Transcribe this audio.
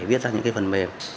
viết ra những phần mềm